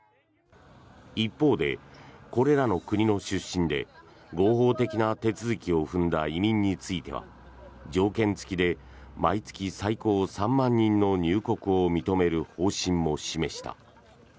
一方で、これらの国の出身で合法的な手続きを踏んだ移民については条件付きで毎月最高３万人の入国を認める方針も示した。